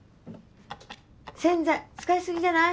洗剤使いすぎじゃない？